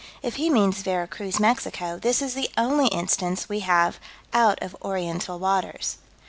If he means Vera Cruz, Mexico, this is the only instance we have out of oriental waters.